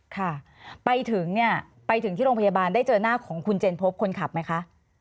ค่ะไปถึงเนี่ยไปถึงที่โรงพยาบาลได้เจอหน้าของคุณเจนพบคนขับไหมคะ